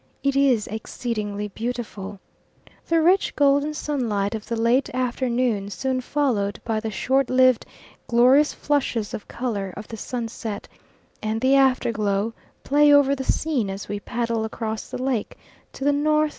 It is exceedingly beautiful. The rich golden sunlight of the late afternoon soon followed by the short lived, glorious flushes of colour of the sunset and the after glow, play over the scene as we paddle across the lake to the N.N.